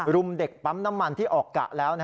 รุมเด็กปั๊มน้ำมันที่ออกกะแล้ว